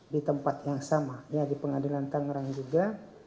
di tempat yang sama ya di pengadilan tangerang juga